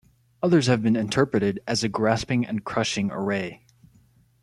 Others have been interpreted as a "grasping and crushing array".